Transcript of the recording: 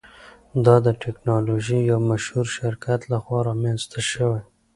دا د ټیکنالوژۍ یو مشهور شرکت لخوا رامینځته شوی.